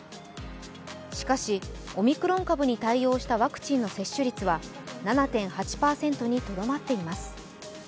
しかしオミクロン株に対応したワクチンの接種率は７．８％にとどまっています。